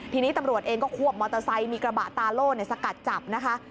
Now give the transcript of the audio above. ทีนี้ตำรวจเองก็ควบมอเตอร์ไซค์มีกระบะตาโล่สกัดจับนะคะ